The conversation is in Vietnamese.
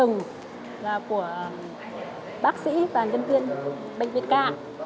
đường bốn tầng và khu năm tầng là của bác sĩ và nhân viên bệnh viện ca